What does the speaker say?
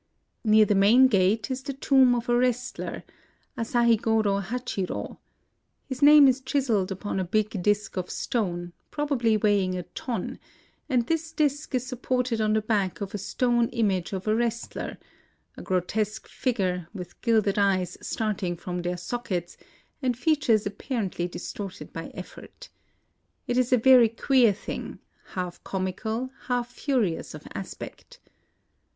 Near the main gate is the tomb of a wrestler, — Asahigoro Ha chir5. His name is chiseled upon a big disk of stone, probably weighing a ton ; and this disk is supported on the back of a stone im age of a wrestler, — a grotesque figure, with gilded eyes starting from their sockets, and features apparently distorted by effort. It is a very queer thing, — half comical, half furious of aspect.